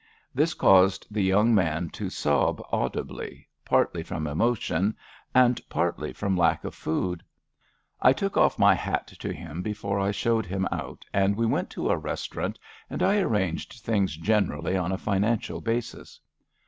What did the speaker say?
This caused the young man to sob audibly, '' THE BETEAYAL OF CONFIDENCES '' 279 partly from emotion and partly from lack of food, I took off my hat to him before I showed him out, and we went to a restaurant and I arranged things generally on a financial basis.